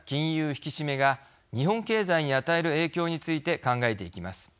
引き締めが日本経済に与える影響について考えていきます。